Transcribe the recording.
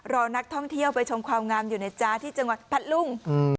รอนักท่องเที่ยวไปชมความงามอยู่นะจ๊ะที่จังหวัดพัดลุง